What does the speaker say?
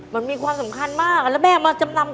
มันมีความสำคัญมาก